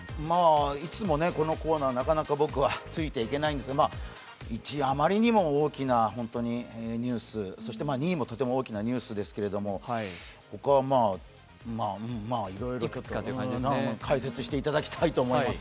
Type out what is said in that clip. いつもこのコーナー、なかなか僕はついていけないんですが、１位、あまりにも大きなニュース、そして２位も、とても大きなニュースですけれども僕はいろいろ、ちょっと解説していただきたいと思います。